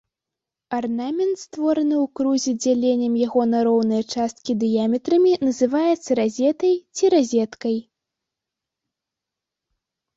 Арнамент, створаны ў крузе дзяленнем яго на роўныя часткі дыяметрамі, называецца разетай, ці разеткай.